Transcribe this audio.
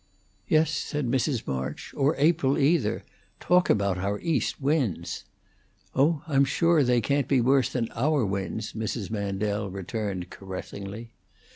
"Yes," said Mrs. March, "or April, either: Talk about our east winds!" "Oh, I'm sure they can't be worse than our winds," Mrs. Mandel returned, caressingly.